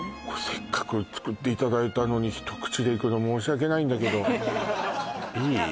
せっかく作っていただいたのに一口でいくの申し訳ないんだけどいい？